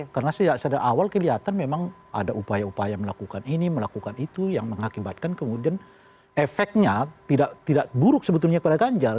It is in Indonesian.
karena sejak awal kelihatan memang ada upaya upaya melakukan ini melakukan itu yang mengakibatkan kemudian efeknya tidak buruk sebetulnya kepada ganjar